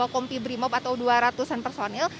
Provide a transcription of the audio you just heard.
kompi brimob atau dua ratus an personil